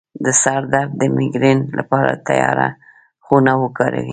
د سر درد د میګرین لپاره تیاره خونه وکاروئ